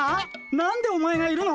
何でお前がいるの？